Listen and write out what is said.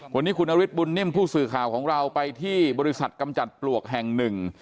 วันนี้คุณนฤทธบุญนิ่มผู้สื่อข่าวของเราไปที่บริษัทกำจัดปลวกแห่งหนึ่ง